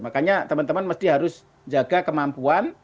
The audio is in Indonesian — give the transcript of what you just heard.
makanya teman teman mesti harus jaga kemampuan